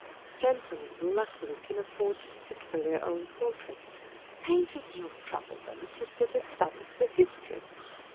Gentle men luckily can afford to sit for their own portraits : painters do not trouble them to sit as studies for history.